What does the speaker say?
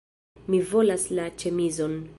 Mi volas la ĉemizon